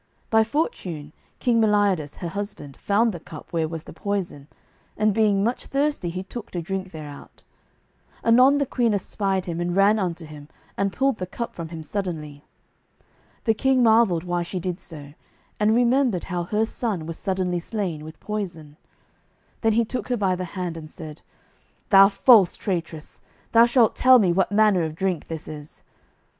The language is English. By fortune King Meliodas, her husband, found the cup where was the poison, and being much thirsty he took to drink thereout. Anon the queen espied him and ran unto him and pulled the cup from him suddenly. The king marvelled why she did so, and remembered how her son was suddenly slain with poison. Then he took her by the hand, and said: "Thou false traitress, thou shalt tell me what manner of drink this is."